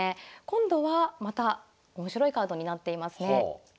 今度はまた面白いカードになっていますね。